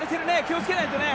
気をつけないとね